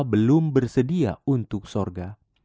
belum bersedia untuk sorga